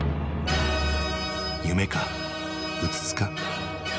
夢かうつつか。